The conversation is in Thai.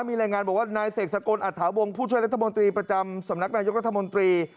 มีรายงานบอกว่านายเสกสกลอัตถาวงผู้ช่วยรัฐมนตรีประจำสำนักนายกรัฐมนตรี